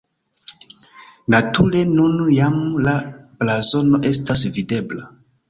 Nature nun jam la blazono estas videbla.